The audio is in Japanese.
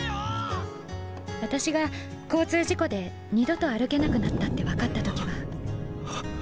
私が交通事故で二度と歩けなくなったって分かった時はあ。